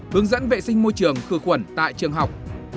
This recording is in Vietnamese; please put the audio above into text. hướng dẫn vệ sinh môi trường khử khuẩn tại trường học